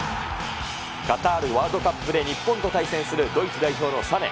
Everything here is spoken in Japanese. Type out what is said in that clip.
カタールワールドカップで日本と対戦するドイツ代表のサネ。